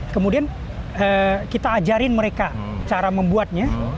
kemudian kita ajarin mereka cara membuatnya